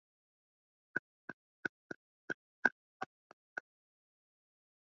Aliwasili nyumbani kwa mzee huyo na kusalimiana na mke wa mzee Ruhala